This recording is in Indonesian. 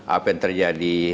apa yang terjadi